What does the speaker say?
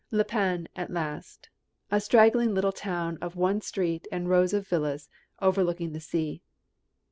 La Panne at last, a straggling little town of one street and rows of villas overlooking the sea.